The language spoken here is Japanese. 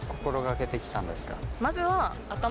まずは。